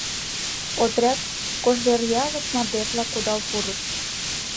Отряд Кожеръялыш мардежла кудал пурыш.